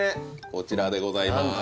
こちらでございまーす